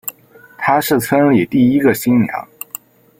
她是村里第一个新娘